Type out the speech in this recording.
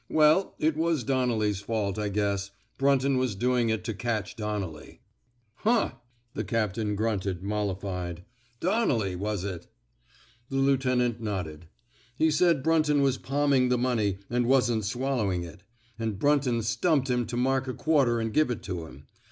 Well, it was Donnelly's fault, I guess. Brunton was doing it to catch Donnelly." 123 ( THE SMOKE EATEES " Huh I ^^ the captain grunted, mollified. Donnelly, was it! '* The lieutenant nodded. He said Brun ton was palming the money, and wasn't swallowing it. And Brunton stumped him to mark a quarter and give it to him.